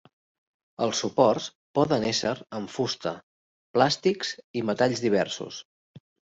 Els suports poden ésser en fusta, plàstics i metalls diversos.